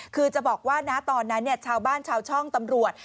คือจะบอกว่านะตอนนั้นชาวบ้านชาวช่องตำรวจ